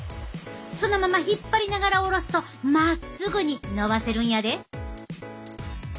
そのまま引っ張りながら下ろすとまっすぐに伸ばせるんやで。